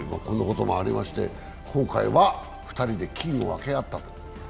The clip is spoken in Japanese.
今回は２人で金を分け合ったと。